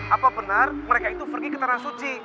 apa benar mereka itu pergi ke tanah suci